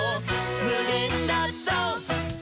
「むげんだぞう！」